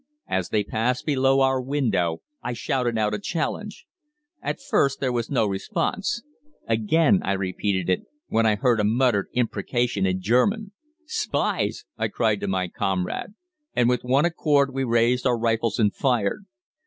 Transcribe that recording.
As they passed below our window I shouted a challenge. At first there was no response. Again I repeated it, when I heard a muttered imprecation in German. "'Spies!' I cried to my comrade, and with one accord we raised our rifles and fired.